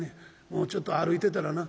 もうちょっと歩いてたらな